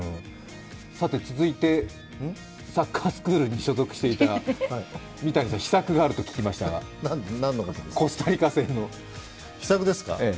続いてサッカースクールに所属していた三谷さん、秘策があると聞きましたが、コスタリカ戦の。